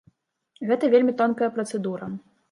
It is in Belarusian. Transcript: Гэта вельмі тонкая працэдура.